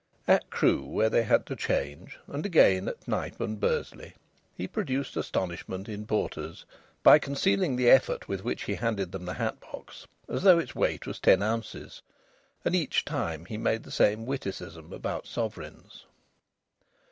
At Crewe, where they had to change, and again at Knype and at Bursley, he produced astonishment in porters by concealing the effort with which he handed them the hat box, as though its weight was ten ounces. And each time he made the same witticism about sovereigns.